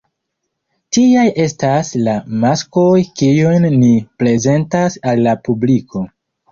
Tiaj estas la maskoj kiujn ni prezentas al la publiko.